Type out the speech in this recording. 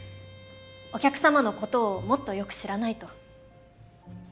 お客様のことをもっとよく知らないと。